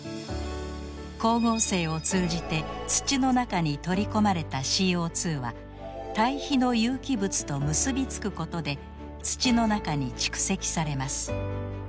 光合成を通じて土の中に取り込まれたＣＯは堆肥の有機物と結び付くことで土の中に蓄積されます。